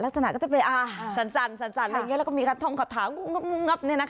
ลักษณะก็จะไปสั่นอะไรอย่างเงี้ยแล้วก็มีกระท้องขาถา